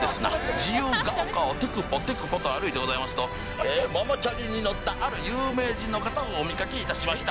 自由が丘をてくぽてくぽと歩いておりますと、ママチャリに乗ったある有名人をお見かけいたしました。